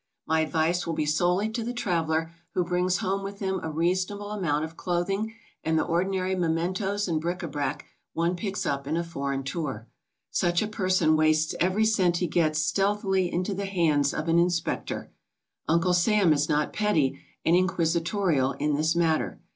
My advice will be solely to the traveler who brings home with him a reasonable amount of clothing and the ordinary mementoes and bric a brac one picks up in a for eign tour. Such a person wastes every cent he gets stealthily into the hands of an inspector. Uncle Sam is not petty and inquisitorial in this matter.